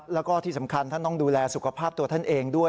แล้วก็ที่สำคัญท่านต้องดูแลสุขภาพตัวท่านเองด้วย